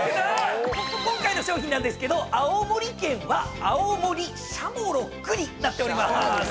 今回の賞品ですけど青森県は青森シャモロックになっております。